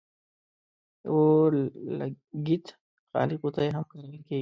د اور لګیت خالي قطۍ هم کارول کیږي.